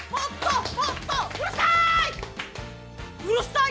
うるさい！